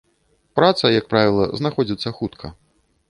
Праца, як правіла, знаходзіцца хутка.